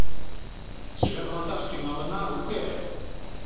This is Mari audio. — Чеверласаш тӱҥалына, уке?